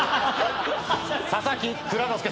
佐々木蔵之介さん。